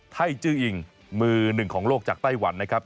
ไทยจื้ออิงมือหนึ่งของโลกจากไต้หวันนะครับ